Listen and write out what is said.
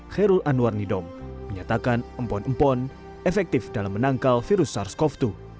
khairul anwar nidom menyatakan empon empon efektif dalam menangkal virus sars cov dua